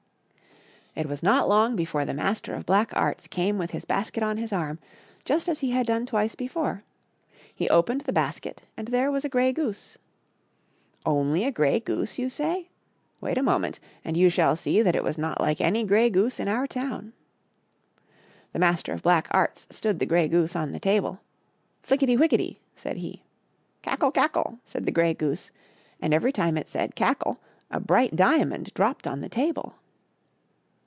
It was not long before the Master of Black Arts came with his basket on THE CLEVER STUDENT AND THE MASTER OF BLACK ARTS. 59 his arm, just as he had done twice before ; he opened the basket, and there was a grey goose. " Only a grey goose !*' you say ? Wait a moment, and you shall see that it was not like any grey goose in our town ! The Master of Black Arts stood the grey goose on the table ;" Flickety whickety !" said he. •' Cackle ! cackle !*' said the grey goose, and every time it said " cackle " a bright diamond dropped on the table.